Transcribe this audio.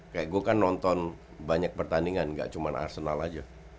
kayak gue kan nonton banyak pertandingan gak cuma arsenal aja